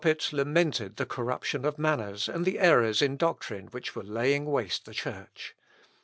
Staupitz lamented the corruption of manners and the errors in doctrine which were laying waste the Church.